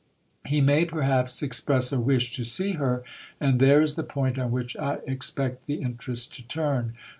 He may perhaps express a wish to see her, and there is the point on which I expect the interest to turn.